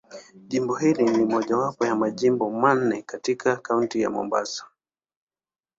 Jimbo hili ni mojawapo ya Majimbo manne katika Kaunti ya Mombasa.